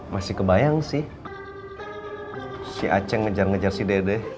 masih kebayang sih si aceh ngejar ngejar si dede